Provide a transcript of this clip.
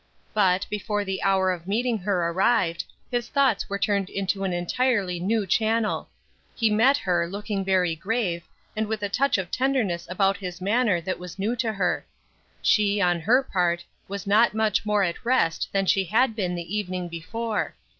But, before the hour of meeting her arrived, his thoughts were turned into an entirely new channel. He met her, looking very grave, and with a touch of tenderness about his manner that was new to her. She, on her part, was not much more at rest than she had been the evening before.